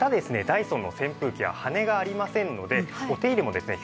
ダイソンの扇風機は羽根がありませんのでお手入れもですね